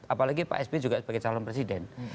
apalagi pak sby juga sebagai calon presiden